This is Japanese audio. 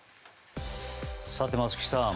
さて、松木さん。